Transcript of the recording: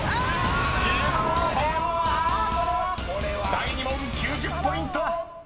［第２問９０ポイント！］